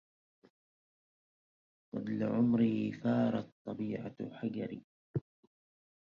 قد لعمري فارت طبيعة حجري